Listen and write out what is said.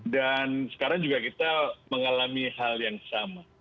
dan sekarang juga kita mengalami hal yang sama